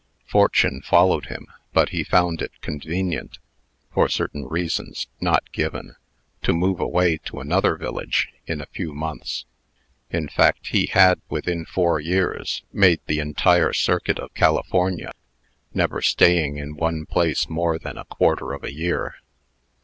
Fortune followed him, but he found it convenient, for certain reasons (not given), to move away to another village, in a few months. In fact, he had, within four years, made the entire circuit of California, never staying in one place more than a quarter of a year.